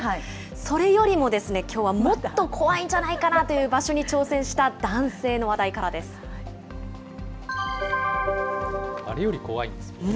それよりも、きょうはもっと怖いんじゃないかなという場所に挑戦した男性の話題からです。